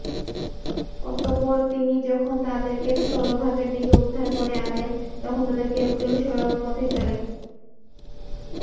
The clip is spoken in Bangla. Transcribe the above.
অতঃপর তিনি যখন তাদেরকে স্থলভাগের দিকে উদ্ধার করে আনেন, তখন তাদের কেউ কেউ সরল পথে চলে।